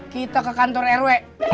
kita ke kantor rw